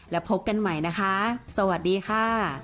แล้วพบกันใหม่นะคะสวัสดีค่ะ